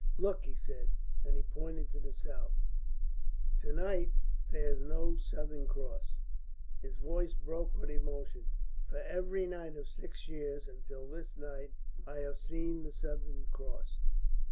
"Look," he said, and he pointed to the south. "To night there's no Southern Cross." His voice broke with emotion. "For six years, for every night of six years, until this night, I have seen the Southern Cross.